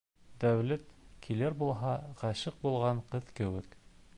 Дәүләт килер булһа, ғашиҡ булған ҡыҙ кеүек